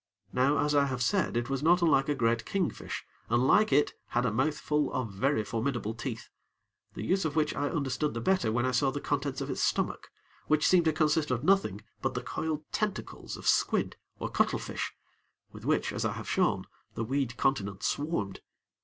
Now, as I have said, it was not unlike a great king fish, and like it, had a mouth full of very formidable teeth; the use of which I understood the better when I saw the contents of its stomach, which seemed to consist of nothing but the coiled tentacles of squid or cuttlefish, with which, as I have shown, the weed continent swarmed.